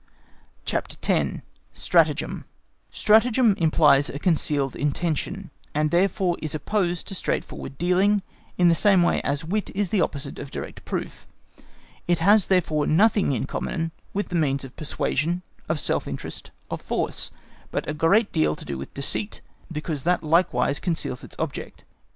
CHAPTER X. Stratagem Stratagem implies a concealed intention, and therefore is opposed to straightforward dealing, in the same way as wit is the opposite of direct proof. It has therefore nothing in common with means of persuasion, of self interest, of force, but a great deal to do with deceit, because that likewise conceals its object.